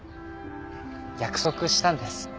約束したんです。